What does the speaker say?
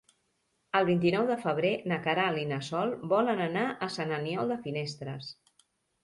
El vint-i-nou de febrer na Queralt i na Sol volen anar a Sant Aniol de Finestres.